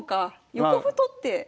横歩取って。